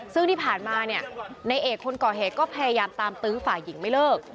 ซึ่งที่ผ่านมาเนี่ยในเอกคนก่อเหตุก็พยายามตามตื้อฝ่ายหญิงไม่เลิก